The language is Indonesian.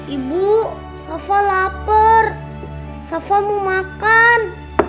ibu sava lapar sava mau makan